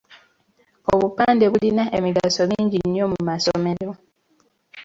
Obupande bulina emigaso mingi nnyo mu masomero.